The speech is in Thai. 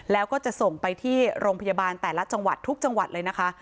แล้วก็จะส่งไปที่โรงพยาบาลแต่ละจังหวัดทุกจังหวัดเลยนะคะ